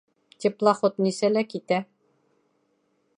Теплоход нисәлә китә?